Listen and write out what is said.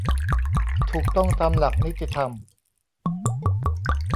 ถูกต้องตามหลักนิติธรรม